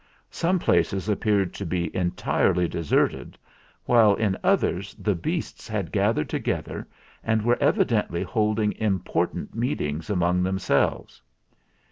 Some places appeared to be entirely deserted, while in others the beasts had gathered together, and were evidently holding important meetings among themselves.